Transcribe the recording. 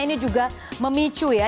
ini juga memicu ya